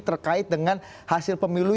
terkait dengan hasil pemilu